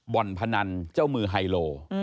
บ่อนพนันเจ้ามือไฮโล